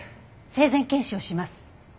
生前検視をします。